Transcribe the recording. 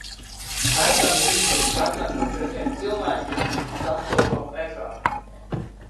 Metam līkumu katram no četriem cilvēkiem, kurus sastopam mežā.